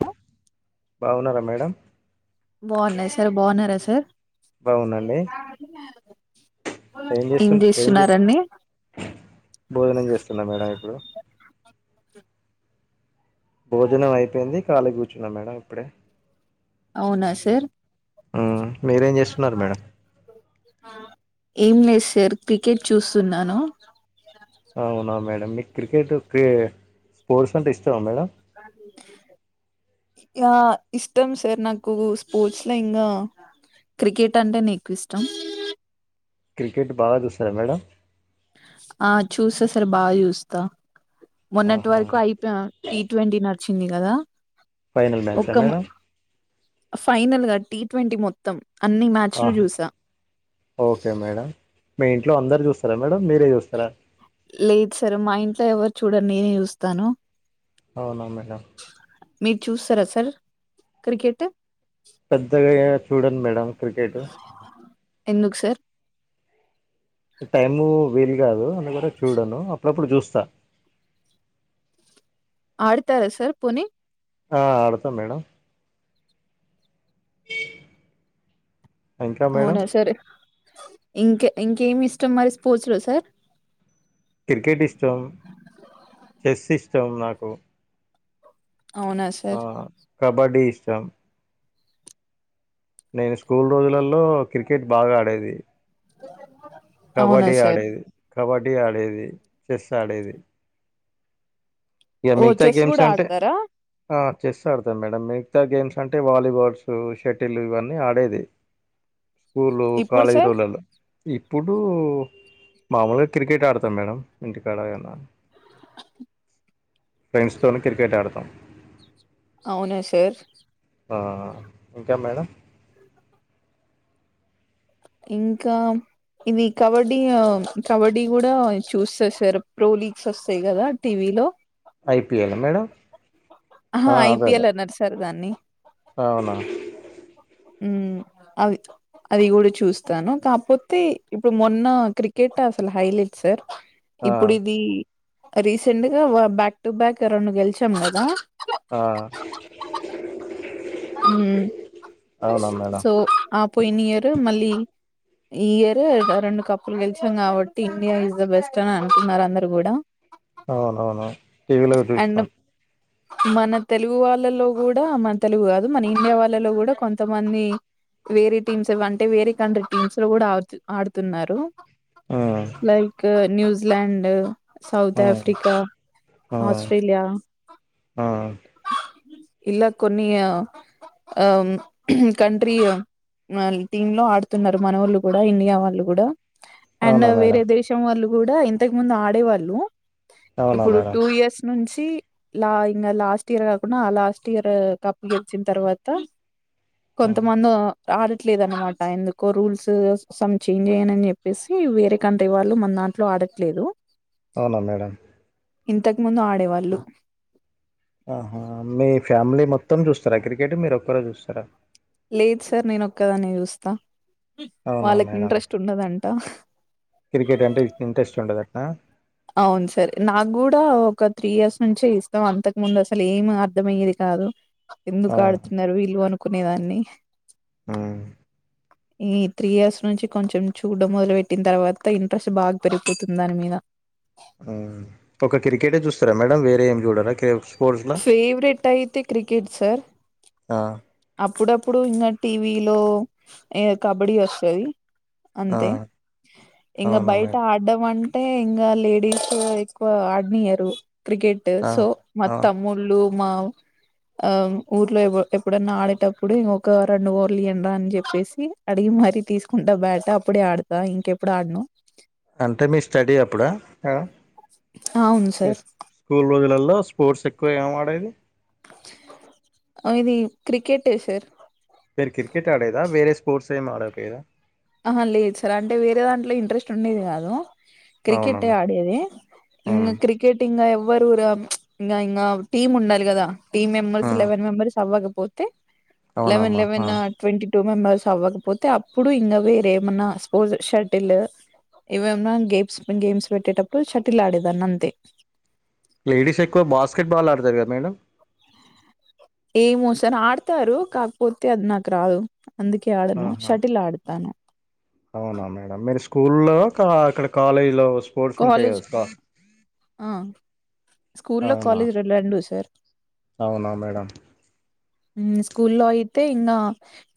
హ [inaudible] బాగున్నారా మేడమ్. బాగున్నా సార్ బాగున్నారా సార్ బాగున్నండి ఏం చేస్తు ఏం చే భోజనం చేస్తున్నా మేడం ఇప్పుడు భోజనం అయిపోయింది కాళీగ కూర్చున్నా మేడం ఇప్పుడే అవునా సార్ ఆ మీరేం చేస్తున్నారు మేడం ఏం లేదు సార్ క్రికెట్ చూస్తున్నాను అవునా మేడమ్ మీ క్రికెట్ క్రీ స్పోర్ట్స్ అంటే ఇష్టమా మేడం ఆ ఇష్టం సార్ నాకు స్పోర్ట్స్ లో ఇంకా క్రికెట్ అంటే నే ఎక్కువ ఇష్టం క్రికెట్ బాగా చూస్తారా మేడం ఆ చూస్తా సార్ బాగా చూస్తా మొన్నటి ఆహా వరకు ఐపీ టి ట్వంటీ న వచ్చింది కదా ఫైనల్ మ్యాచా ఒక మేడం ఫైనల్ గా టీ ట్వంటీ మొత్తం అన్ని మ్యాచ్లు ఆహా చూసా ఓకే మేడం మీ ఇంట్లో అందరు చూస్తారా మేడం మీరే చూస్తారా లేదు సార్ మా ఇంట్లో ఎవరు చూడరు నేనే చూస్తాను అవునా మేడం మీరు చూస్తారా సార్ క్రికెట్ పెద్దగా ఏం చూడను మేడం క్రికెట్ ఎందుకు సార్ టైము వీలు కాదు చూడను అప్పుడప్పుడు చూస్తాను స [inaudible] ఆడతారా సార్ పోనీ ఆ అడతాం మేడం ఏ [inaudible] అవునా సర్ ఇంక ఇంకేమి ఇష్టం మరి స్పోర్ట్స్ లో సార్ క్రికెట్ ఇష్టం చెస్ ఇష్టం నాకు అవునా ఆ సార్ కబడ్డీ ఇష్టం నేను స్కూల్ రోజులలో క్రికెట్ బాగా ఆడేది అవునా కబడి సార్ ఆడేది కబడ్డీ ఆడేది చెస్ ఆడేది ఇక ఓ మిగతా చెస్ గేమ్స్ కూడా అంటే ఆడతారా ఆ చెస్ ఆడతాం మేడం మిగతా గేమ్స్ అంటే వాలీబాల్స్ షటిల్ ఇవన్నీ ఆడేది స్కూలు ఇప్పుడు సార్ కాలేజీలోలలో ఈ ఇప్పుడు‌ మామూలుగా క్రికెట్ ఆడతాం మేడం. ఇంటికాడ ఏనా ఫ్రెండ్స్ తోని క్రికెట్ ఆడతాం. అవునా సార్. ఆ ఇంకా మేడం. ఇంకా ఇవి కబడ్డీ హ కబడ్డీ కూడా చూస్తా సార్ ప్రో లీగ్స్ వస్తాయి కదా టీవీలో ఐ పీ ఎల్ ఆ మేడం. ఆహా ఆ ఐ అదే పి అదే ఎల్ అనరు సార్ దాన్ని. అవునా హు అది అది కూడా చూస్తాను. కాపోతే ఇప్పుడు మొన్న క్రికెట్ అసలు హైలైట్ సార్. ఆ ఇప్పుడు ఇది రీసెంట్ గా బ్యాక్ టు బ్యాక్ రెండు గెలిచాం కదా. ఆ హు అవునా మేడం సో ఆ పోంనియరు మళ్ళీ. ఈ ఇయర్ రెండు కప్పులు గెలిచినం కాబట్టి ఇండియా ఇస్ ద బెస్ట్ అని అంటున్నారు అందరూ కూడా. అవునవును టీవీలో చూసిన అండ్ మన తెలుగు వాళ్ళలో కూడా మం తెలుగు కాదు మన ఇండియా వాళ్ళలో కూడా కొంతమంది వేరే టీమ్స్ అంటే వేరే కంట్రీ టీమ్స్ లో కూడా ఆడుతు ఆడుతూన్నారు. Um like news England. South um Africa, um Australia. Um ఇళ్ళకు కొన్ని ఆ ఆ కంట్రీ నాన్ టీమ్ లో ఆడుతున్నారు. మన వోళ్ళు కూడా ఇండియా వాళ్ళు కూడా అండ్ అవునా వేరే మేడం దేశం వాళ్ళు. కూడా ఇంతకు ముందు ఆడేవాళ్ళు. అవునా ఇప్పుడు మేడం టూ ఇయర్స్ నుంచి టి లా ఇంగా లాస్ట్ ఇయర్ కాకుండా ఆ లాస్ట్ ఇయర్ కప్పు గెలిచిన తర్వాత. ఉమ్, కొంతమందో ఆడట్లేదు అనమాట ఎందుకో రూల్స్ సం చేంజ్ అయ్యానని చెప్పేసి వేరే కంట్రీ వాళ్ళు మన దాంట్లో ఆడట్లేదు. అవునా మేడమ్. ఇంతకుముందు ఆడేవాళ్ళు. ఆహా మీ ఫ్యామిలీ మొత్తం జూస్తారా క్రికెట్ మీరు ఒక్కరే జూస్తారా. లేదు సార్. నేను ఒక్కదాన్ని జూస్తా. అవునా వాళ్ళకి మేడం ఇంట్రెస్ట్ ఉండదండి. [inaudible] క్రికెట్ అంటే ఇంట్రెస్ట్ ఉండదు అంటన అవును సార్ నాకు గూడా ఒక త్రీఇయర్స్ నుంచి ఇస్తాం అంతకు ముందు అసలు ఏమి అర్థమయ్యేది కాదు ఎందుకు అవునా ఆడుతున్నారు వీల్లు అను కునేదాన్ని ఆ ఈ త్రీ ఇయర్స్ నుంచి కొంచెం చూడడం మొదలు పెట్టిన తర్వాత ఇంట్రెస్ట్ బాగా పెరిగిపోతుంది దాని మీద ఆ ఒక క్రికెటే జూస్తారా మేడం వేరే ఏం చూడరా క్ర ఫేవరెట్ అయితే క్రికెట్ సార్ ఆ అప్పుడప్పుడు ఇంగ టీవీలో ఏ కబడ్డీ వస్తది ఆ అంతే ఇంగ అవునా బయట మేడం అడ్డం అంట అంటే ఇంగ లేడీస్ ఎక్కువ ఆడినియరు క్రికెట్ ఆ సో మా అవును తమ్ముళ్ళు మా ఊర్లో ఎ ఎప్పుడన్న ఆడేటప్పుడు ఇంగ ఒక రెండు ఓర్లు ఈయండ్రి అని చెప్పేసి అడిగి మరీ తీసుకుంటా బ్యాట అప్పుడే ఆడతా ఇంకెప్పుడు ఆడను అవును సార్ ఎస్ స్కూల్ రోజులాల లో స్పోర్ట్స్ ఎక్కువ ఏం ఆడేది ఇది క్రికెట్ ఏ సార్ పేరు క్రికెట్ ఆడేదా వేరే స్పోర్ట్స్ ఎం అడట్లేరుద ఆహ లేదు సార్ అంటే వేరే దాంట్లో ఇంట్రెస్ట్ ఉండేది కాదు అవునా క్రికెట్ ఎ మరి ఆడేది ఆ ఇంగ క్రికెట్ ఇంగ్ ఎ రూర ఇంగ ఇంగ టీమ్ ఉంన్నారు గదా టీం ఆ, మెంబర్స్ లెవన్ మెంబర్స్ అవకా పోతే లెవెన్ అవునమ్మా ఆ లెవెన్ ట్వంటీ టూ మెంబర్స్ అవ్వకపోతే అప్పుడు ఇంగ వేరే ఏమన్నా స్పోర్ట్స్ షర్టిల్ ఇవేమన్నా గేమ్స్ గేమ్స్ పెట్టేటప్పుడు షటిల్ ఆడేదాన్ని అంతే లేడీస్ ఎక్కువ బాస్కెట్ బాల్ ఆడతారు కదా మేడం ఏమోసార్ ఆడతారు కాకపోతే అది నాకు రాదు అందుకే ఆడను ఆహా షటిల్ ఆడతాను అవునా మేడం మీరు స్కూల్లో క అక్కడ కాలేజ్ లో స్పోర్ట్స్ ఉంటాయి కాలేజ్ కదా స్కా అ స్కుల్లో అవునా కాలేజ్ రెడు రెండు సార్ అవునా మేడం మ్ స్కూల్లో అయితే ఇంగ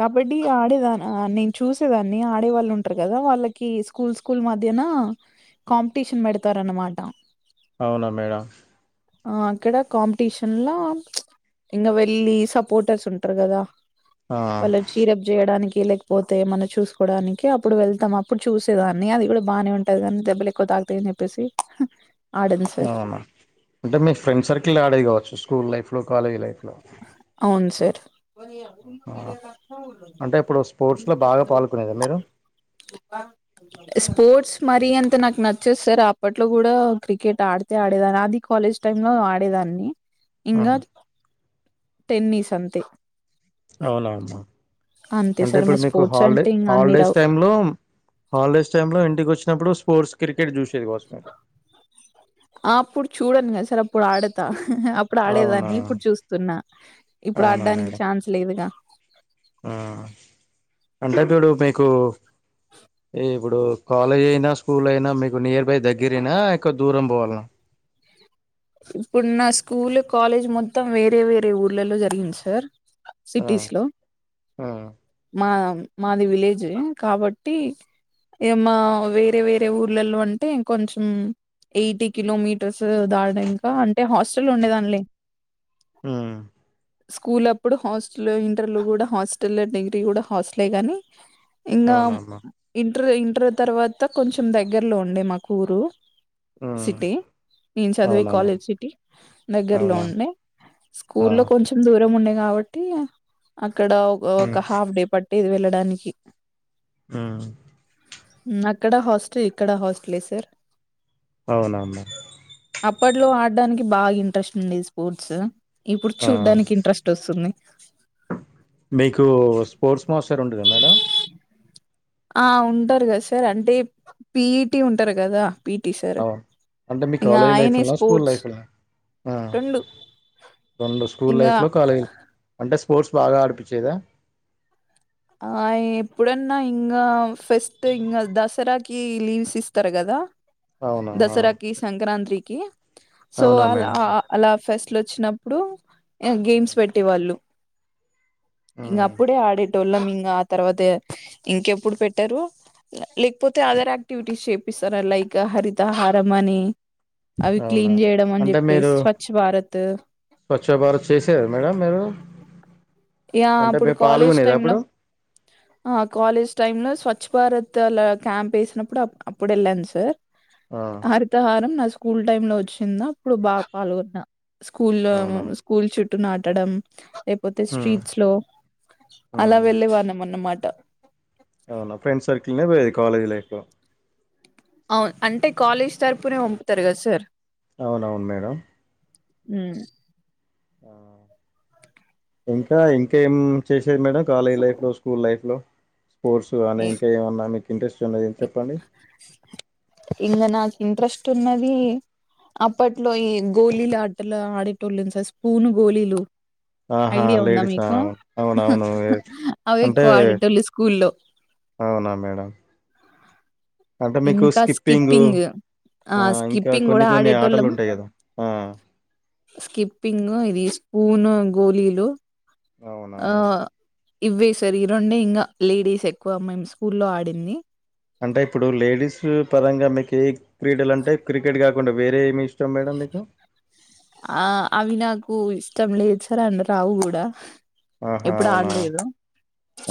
కబడ్డీ ఆడేద నేను చూసేదాన్ని ఆడేవాళ్లు వుంటరు. కదా వాళ్ళకి స్కూల్స్ స్కూల్ మధ్యనా కాంపిటీషన్ పెడతారన్నమాట అవునా మేడం ఆ అక్కడ కాంపిటిషన్లా ఇంగ వెళ్లి సపోర్టర్స్ ఉంటార్ కదా ఆ వాళ్ళ చీరప్ చేయడానికి లేకపోతే మనం చూస్కోడానికి అపుడు వెళ్తాం అప్పుడు చూసేదాన్ని అది గుడా బానే వుంటది గని దెబ్బలు ఎక్కువ తాకుతాయి అని చెప్పేసి ఆడను సార్. అవునా అంటే మీ ఫ్రెండ్ సర్కిల్ ఆడేది కావచ్చు స్కూల్ లైఫ్ కాలేజ్ లైఫ్ లో అవును సార్ అంటే ఇప్పుడు స్పోర్ట్స్ లో బాగా పాల్గొనేదా మీరు స్పోర్ట్స్ మరీ అంత నాక్ నచ్చేదు సార్ అప్పట్లో గుడా క్రికెట్ ఆడితే ఆడేదాన్ని అది కాలేజ్ టైమ్లో ఆడేదాన్ని ఆ, ఇంగ టెన్నీస్ అంతే అవునా అమ్మ అంతే అంటే సార్ మా ఇప్పుడు మీకు స్పోర్ట్స్ హాలిడే అంటే ఇంకా అన్ని హాలిడేస్ రావు టైమ్లో హాలిడేస్ టైమ్లో ఇంటికి వచ్ ప్పుడు స్పోర్ట్స్ క్రికెట్ చూస్ ఆ అప్పుడు చూడను కదా సార్ అప్పుడు ఆడతా అప్పుడు అవునా ఆడేదాన్ని ఇప్పుడు చూస్తున్నా ఇప్పుడు అవునా ఆడడానికి మేడం ఛాన్స్ లేదుగా ఆ అంటే ఇప్పుడు మీకు ఈ ఇప్పుడు కాలేజ్ అయినా స్కూల్ అయినా మీకు నియర్ బై దగ్గరేనా ఎక్కువ దూరం పోవాల్నా ఇప్పుడు నా స్కూల్ కాలేజ్ మొత్తం వేరే వేరే ఊర్లలో జరిగింది సార్ ఆ సిటీస్లో ఆ మా మాది విలేజే. కాబట్టి ఏ మా వేరే వేరే ఊర్లలో అంటే కొంచం ఎయిటీ కిలోమీటర్స్ దాట్ నంకా అంటే హాస్టల్ ఉండేదాన్ని లే మ్ స్కూల్ అప్పుడు హాస్టల్, ఇంటర్ గూడా హాస్టల్, డిగ్రీ గూడా హాస్టలే గాని ఇంకా అవునమ్మా ఇ ఇ ఇంటర్ తర్వాత కొంచం దగ్గరలో ఉండే మాకూరు ఉమ్ సిటీ నేన్ చదువే అవునమ్మా కాలేజ్ సిటీ దగ్గరలో అవునా ఉండే ఆ స్కూల్లో కొంచం దూరం ఉండే కాబట్టి అ క్కడ ఓ ఉమ్ ఒక హాఫ్ డే పట్ ట్టేది. వెళ్ళడానికి హ్ మ్ అక్కడ హాస్టల్, ఇక్కడ హాస్టలే సార్ అవునా అమ్మ అప్పట్లో ఆడ్డానికి బాగా ఇంట్రెస్ట్ ఉండేది. స్పోర్ట్స్ ఇప్పుడు ఆ చూడ్డానికి ఇంట్రెస్ట్ వస్తుంది. మీకు స్పోర్ట్స్ మాస్టర్ ఉండదా మేడం. ఆ ఉంటారు కదా సార్ అంటే పిఈటి ఉంటారు కదా పీటీ సార్ అవును అంటే మీ ఇంగ కాలేజ్ ఆయనే లైఫ్నా స్కూల్ స్పోర్ట్స్ లైఫ్నా రెండు రెండు స్కూల్ ఇంగా లైఫ్ లో కాలేజ్ అంటే స్పోర్ట్స్ బాగా ఆడిపించేదా ఆ ఎప్పుడన్నా ఇంకా ఫస్ట్ ఇంకా దసరాకి లీవ్స్ ఇస్తారు కదా అవునా దసరాకి సంక్రాంతి సో అవునా అలా మేడం అలా ఫెస్ ఇట్లు వచ్చినప్పుడు గేమ్స్ పెట్టేవాళ్ళు ఇంకా మ్మ్ అప్పుడే ఆడ టోలం ఇంకా ఆ తర్వాత ఇంకెప్పుడు పెట్టారు, లేకపోతే అదర్ యాక్టివిటీస్ చేపిస్తారు లైక్ హరితహారం అని అవి అవునా క్లీన్ చేయడం అని అంటే చెప్పేసి మీరు స్వచ్ భారత్ స్వచ్ఛ భారత్ చేసేర మేడం మీరు యా అంటే అప్పుడు మీరు కాలేజ్ పాల్గొనేదా టైమ్ లో అప్పుడు ఆ కాలేజ్ టైమ్ లో స్వ స్వచ్ఛ భారత్లా క్యాంప్ వేసినప్పుడు అప్పుడు వెళ్ళాను సార్ ఆ అరిత హారం నసు స్కూల్ టైమ్ లో వచ్చిందా అప్పుడు బాగా పాల్గొన్న స్కూల్ల్లో అవునా స్కూల్ చుట్ చట్టు నాటడం ఏపోతే శ్రీ మ్మ్ లో అలా మ్మ్ వెళ్ళేవాళం అన్నమాట ట అవునా ఫ్రెండ్ సర్కిల్నే పోయేది కాలేజ్ లైఫ్లో అవును అంటే కాలేజ్ తరపుునే పంపుతారు కదా సార్ అవునవును మేడం మ్ ఇంకా ఇంకా ఏం చేసేది మేడం కాలేజ్ లైఫ్ లో స్కూల్ లైఫ్ లో స్పోర్స్ కానీ ఇంకా ఏమన్నా మీకు ఇంట్రెస్ట్ ఉన్నది చెప్పండి ఎనా ఇంట్రెస్ట్ ఉన్నది అప్పట్లో ఈ గోళ్ళిలు ఆటలా, ఆడేటోళ్ళు సార్ స్పూను గోళ్ళిలు ఆహా ఐడియా ఉందా లేడీసా మీకు అవునవును అవి అంటే ఎక్కువ ఆడటోళ స్కూల్లో అవునా మేడం అంటే మీకు ఇంకా స్కిప్పింగ్ ఆ ఇంకా స్కిప్పింగ్ కొన్ని కూడా కొన్ని ఆటలు ఆడేటోల్లం ఉంటాయి కదా ఆ స్కిప్పింగ్ ఇది పూను గోలీలు అవునా మేడం ఇవ్వే సార్ ఈ రెండే ఇంకా లేడీస్ ఎక్కువ మేము స్కూల్లో ఆడింది అంటే ఇప్పుడు లేడీస్ పరంగా మీకే క్రీడలు అంటే క్రికెట్గా తకుండా వేరే ఏమి ఇష్టం మేడం మీకు ఆ అవి నాకు ఇష్టం లేదు సార్ అండ రావు కూడా ఆహా ఎప్పుడు అవునా ఆడలేదు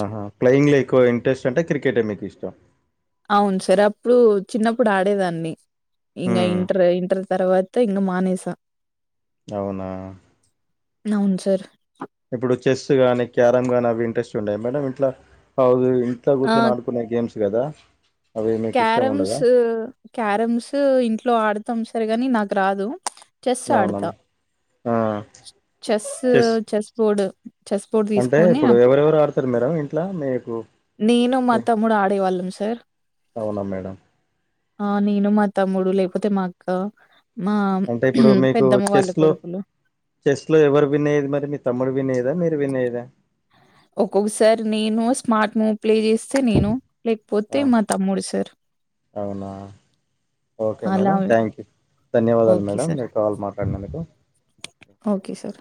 ఆహా ప్లేయింగ్ లో ఎక్కువ ఇంట్రెస్ట్ అంటే క్రికె [unintelligible] మీకు ఇష్టం అవును సార్ అప్పుడు చిన్నప్పుడు ఆడేదాన్ని ఇకా ఉమ్ ఇంటర్ ఇంటర్ తర్వాత ఇంగ్ మనేేసా అవునా అవును సార్ ఇప్పుడు చెస్ గానీ క్యారమ్ గానీ అవి ఇంట్రెస్ట్ ఉండయా మేడం ఇట్లా అ ఇంట్లో ఆ! కూర్చని ఆడుకునే గేమ్స్ కదా అవి మీకు ఇష్టం ఉండదా క్యారమ్స్ క్యారమ్స్ ఇంట్లో ఆడతాం సార్ రుగాని నాకు రాదు చెస్ అవునా ఆడుతా ఆ చెస్ చెస్ పోర్డు అంటే ఇప్పుడు ఎవరెవరు ఆడతారు మేడమ్ ఇంట్లో మీ నేను మా తమ్ముడు ఆడేవాళ్ళం సార్ అవునా మేడం ఆ నేను మా తమ్ముడు లేకపోతే మా అక్క మా అంటే ఇప్పుడు మీకు పెద్దమ్మ వాళ్ళ చెస్ లో కొడుకులు. చెస్ లో ఎవరు విన్ అయ్యేదా మరి మీ తమ్ముడు వినేయదా మీరు [unintelligible] ఒక్కొక్కసారి నేను స్మార్ట్ మూ ప్లే చేస్తే నేను లేకపోతే ఆ! మా తమ్ముడు సార్ అవునా ఓకే అలా మేడం థ్యాంక్ యూ ధన్యవాదాలు ఓకే మేడం సార్ మీరు కాల్ మాట్లాడినందుకు ఓకే సార్